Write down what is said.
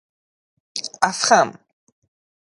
اَفخم